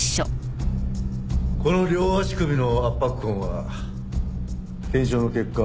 この両足首の圧迫痕は検証の結果